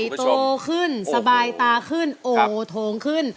โตขึ้นสบายตาขึ้นโอโถงขึ้น